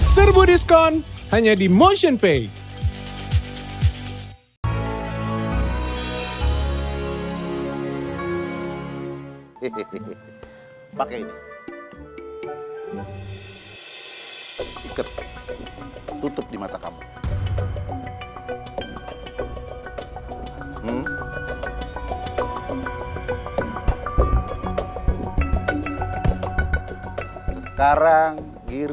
serbu diskon hanya di motionpay